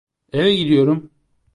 Eve gidiyorum.